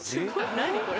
何これ？